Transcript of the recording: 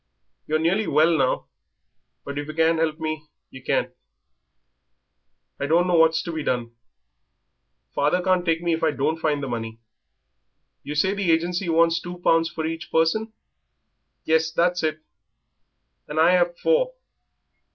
"You're nearly well now. But if yer can't help me, yer can't. I don't know what's to be done. Father can't take me if I don't find the money." "You say the agency wants two pounds for each person?" "Yes, that's it." "And I've four.